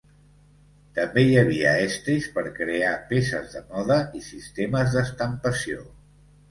També hi havia estris per crear peces de moda i sistemes d'estampació.